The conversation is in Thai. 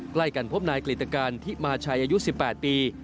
ใกล้กันพบนายกฤตการทิมาชัยอายุ๑๘ปี